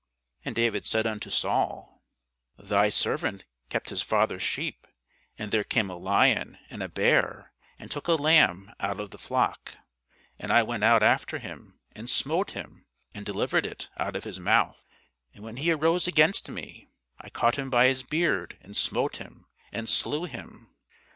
And David said unto Saul, Thy servant kept his father's sheep, and there came a lion, and a bear, and took a lamb out of the flock: And I went out after him, and smote him, and delivered it out of his mouth: and when he arose against me, I caught him by his beard, and smote him, and slew him.